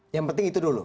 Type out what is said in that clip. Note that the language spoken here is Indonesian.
yang penting itu dulu